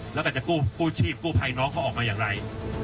แล้วก็จะกู้ชีพกู้ภัยน้องเขาออกมาอย่างไร